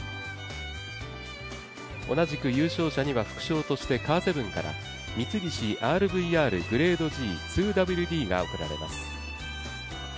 同じく優勝者には副賞として、カーセブンから三菱ＲＶＲグレードＧ２ＷＤが贈られます。